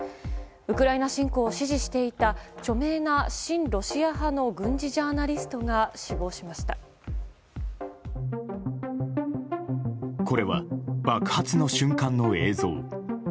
ウクライナ侵攻を支持していた著名な親ロシア派の軍事ジャーナリストがこれは、爆発の瞬間の映像。